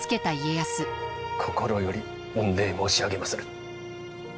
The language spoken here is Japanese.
心より御礼申し上げまする。